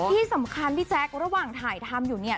ที่สำคัญพี่แจ๊คระหว่างถ่ายทำอยู่เนี่ย